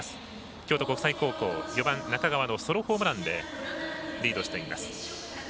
京都国際高校、４番、中川のソロホームランでリードしています。